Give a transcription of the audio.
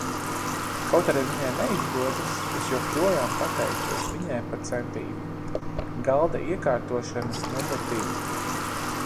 Kaut arī viņai neizdodas, es joprojām pateicos viņai par centību. Galda iekārtošana numur divi!